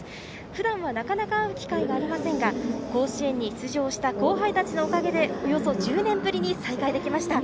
ふだんはなかなか会う機会がありませんが甲子園に出場した後輩たちのおかげでおよそ１０年ぶりに再会できました。